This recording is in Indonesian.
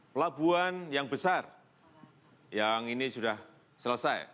pelabuhan yang besar yang ini sudah selesai